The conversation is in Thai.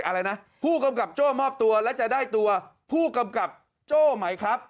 อะไรนะผู้กำกับโจ้มอบตัวและจะได้ตัวผู้กำกับโจ้ไหมครับ